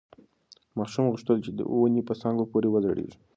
ماشوم غوښتل چې د ونې په څانګو پورې وځړېږي.